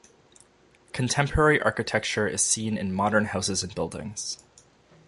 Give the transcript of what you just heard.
Contemporary architecture is seen in modern houses and buildings.